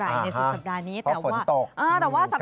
ในสุดสัปดาห์นี้เพราะฝนตก